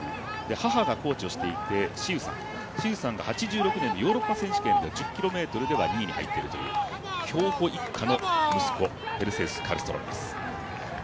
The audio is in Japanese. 母がコーチをしていてシウさんが８６年のヨーロッパ選手権で１０ｋｍでは２位に入っているという、競歩一家の息子ペルセウス・カルストロームです。